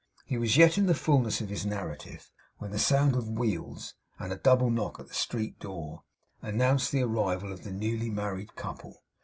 He was yet in the fullness of his narrative when the sound of wheels, and a double knock at the street door, announced the arrival of the newly married couple.